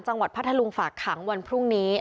จังหวัดพระทะลุงฝากขังวันพรุ่งนี้